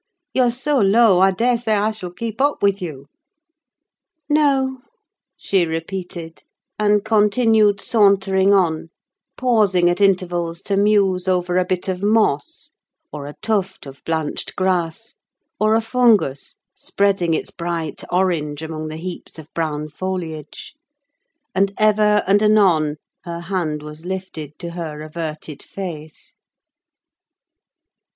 You're so low, I daresay I shall keep up with you." "No," she repeated, and continued sauntering on, pausing at intervals to muse over a bit of moss, or a tuft of blanched grass, or a fungus spreading its bright orange among the heaps of brown foliage; and, ever and anon, her hand was lifted to her averted face.